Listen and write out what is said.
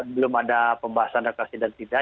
belum ada pembahasan rekasi dan tidak